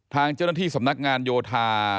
ทางเจ้าหน้าที่สำนักงานโยธา